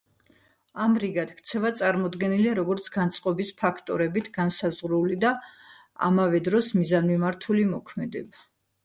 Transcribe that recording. ამრიგად, ქცევა წარმოდგენილია, როგორც განწყობის ფაქტორებით განსაზღვრული და ამავე დროს მიზანმიმართული მოქმედება.